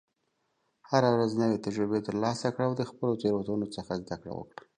هره ورځ نوې تجربې ترلاسه کړه، او د خپلو تېروتنو څخه زده کړه وکړه.